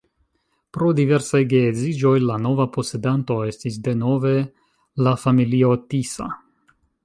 Pro diversaj geedziĝoj la nova posedanto estis denove la familio Tisza.